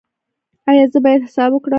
ایا زه باید حساب وکړم؟